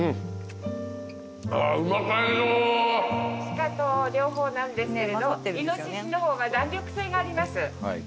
鹿と両方なんですけれどイノシシの方が弾力性があります。